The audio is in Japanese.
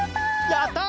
やった！